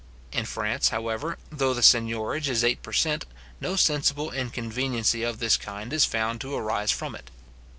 In France, however, though the seignorage is eight per cent., no sensible inconveniency of this kind is found to arise from it.